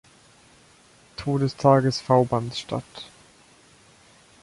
Todestages Vaubans statt.